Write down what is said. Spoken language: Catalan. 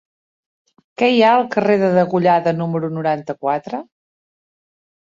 Què hi ha al carrer de Degollada número noranta-quatre?